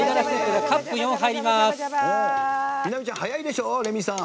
美波ちゃん早いでしょ、レミさん。